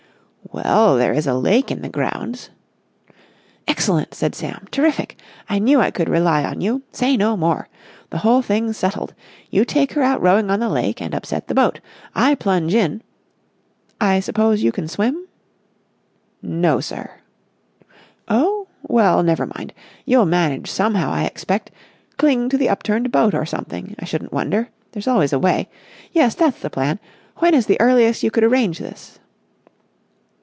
"Well, there is a lake in the grounds...." "Excellent!" said Sam. "Terrific! I knew I could rely on you. Say no more! The whole thing's settled. You take her out rowing on the lake, and upset the boat. I plunge in.... I suppose you can swim?" "No, sir." "Oh? Well, never mind. You'll manage somehow, I expect. Cling to the upturned boat or something, I shouldn't wonder. There's always a way. Yes, that's the plan. When is the earliest you could arrange this?"